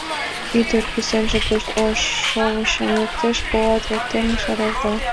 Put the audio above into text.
Ӱдыр кӱсенже гыч ош шовычым луктеш, полат воктен шаралта.